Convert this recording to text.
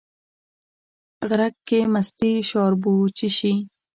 غرک کې مستې شاربو، چې شي